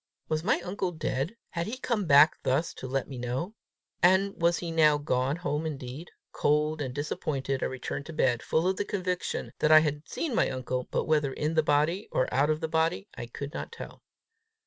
Was my uncle dead? Had he come back thus to let me know? And was he now gone home indeed? Cold and disappointed, I returned to bed, full of the conviction that I had seen my uncle, but whether in the body or out of the body, I could not tell.